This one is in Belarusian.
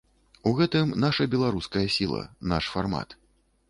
У гэтым наша беларуская сіла, наш фармат.